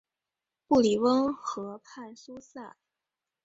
布里翁河畔苏塞。